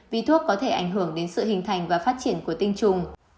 vì thuốc có thể ảnh hưởng đến sự hình thành và phát triển của tinh trùng